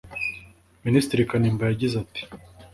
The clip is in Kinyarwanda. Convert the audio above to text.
Minisitiri Kanimba yagize ati